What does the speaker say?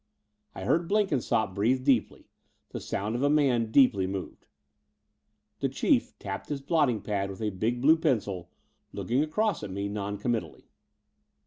I heard Blenkinsopp breathe deeply, the sound of a man deeply moved. The Chief tapped his blotting pad with a big blue pencil, looking across at me non committally.